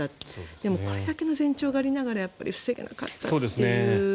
でも、これだけの前兆がありながら防げなかったという。